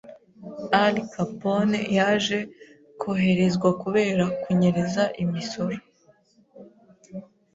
Al Capone yaje koherezwa kubera kunyereza imisoro.